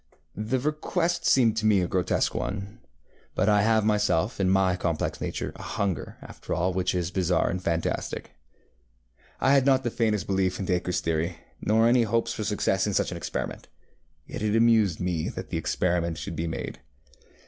ŌĆØ The request seemed to me a grotesque one; but I have myself, in my complex nature, a hunger after all which is bizarre and fantastic. I had not the faintest belief in DacreŌĆÖs theory, nor any hopes for success in such an experiment; yet it amused me that the experiment should be made.